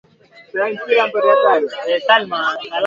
Mapishi ya viazi lishe yanaweza kuwa ya aina mbali mbal